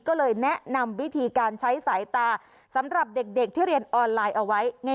ก็เลยแนะนำวิธีการใช้สายตาสำหรับเด็กที่เรียนออนไลน์เอาไว้